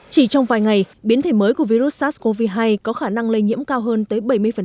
chỉ trong vài ngày biến thể mới của virus sars cov hai có khả năng lây nhiễm cao hơn tới bảy mươi